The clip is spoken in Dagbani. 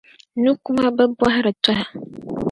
Nukuma bi bɔhiri tɔha.